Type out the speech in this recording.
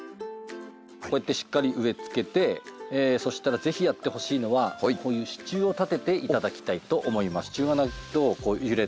こうやってしっかり植えつけてそしたらぜひやってほしいのはこういう支柱を立てていただきたいと思います。